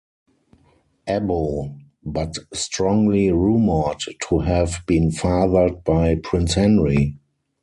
Abbo, but strongly rumored to have been fathered by Prince Henry.